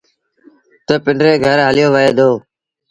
تا پنڊري گھر هليو وهي دو۔